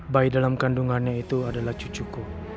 bayi dalam kandungannya itu adalah cucuku